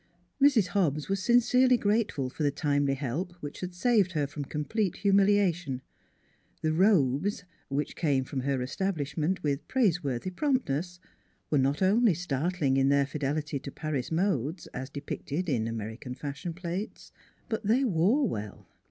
Mrs. Hobbs was sin cerely grateful for the timely help which had saved her from complete humiliation; the " robes " which came from her establishment with praiseworthy promptness were not only startling in their fidelity to Paris modes, as depicted in American fashion plates, but they wore well.